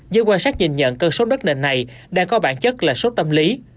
dưới quan sát nhìn nhận cơ số đất nền này đang có bản chất là số tâm lý